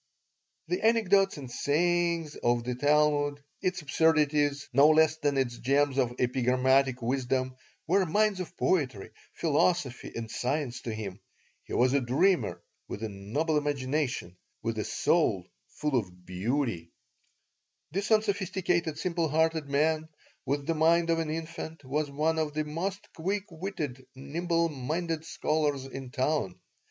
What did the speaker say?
The anecdotes and sayings of the Talmud, its absurdities no less than its gems of epigrammatic wisdom, were mines of poetry, philosophy, and science to him. He was a dreamer with a noble imagination, with a soul full of beauty This unsophisticated, simple hearted man, with the mind of an infant, was one of the most quick witted, nimble minded scholars in town.